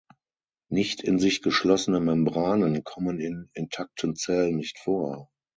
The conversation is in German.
Nicht in sich geschlossene Membranen kommen in intakten Zellen nicht vor.